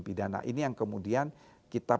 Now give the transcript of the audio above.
pidana ini yang kemudian kita